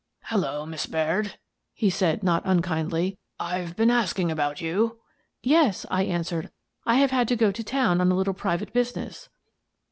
" Hello, Miss Baird," he said, not unkindly. " I've been asking about you." " Yes," I answered, " I have had to go to town on a little private business."